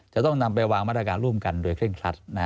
จะต้องนำไปวางมาตรการร่วมกันโดยเร่งครัด